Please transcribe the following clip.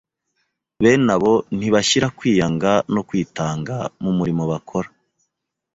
bene abo ntibashyira kwiyanga no kwitanga mu murimo bakora.